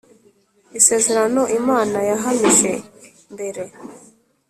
Isezerano imana yahamije mbere